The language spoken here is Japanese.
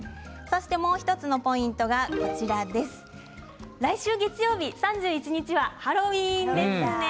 もう１つのポイントが来週月曜日３１日はハロウィーンですね。